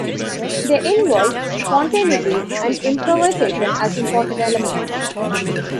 They involve spontaneity and improvisation as important elements.